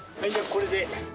これで。